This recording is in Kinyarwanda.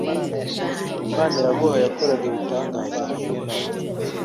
Maniraguha yakoraga ibitangaza hamwe na we.